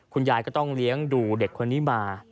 คุณยายก็ต้องเลี้ยงดูเด็กคนนี้มา